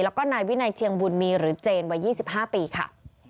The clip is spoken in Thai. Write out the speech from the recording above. แล้วก็นายวินัยเชียงบุญมีหรือเจนวัย๒๕ปีค่ะ